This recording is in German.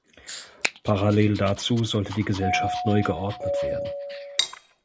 Parallel dazu sollte die Gesellschaft neu geordnet werden.